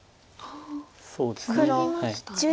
そうですね。